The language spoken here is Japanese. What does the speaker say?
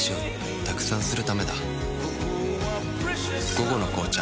「午後の紅茶」